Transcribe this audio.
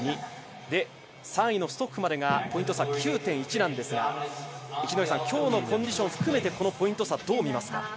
６．２で、３位のストッフまでがポイント差９．１なんですが、今日のコンディション含めてこのポイント差、どう見ますか？